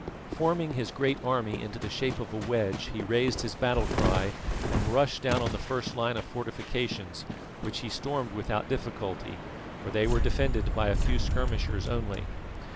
Forming his great army into the shape of a wedge he raised his battle cry and rushed down on the first line of fortifications, which he stormed without difficulty, for they were defended by a few skirmishers only.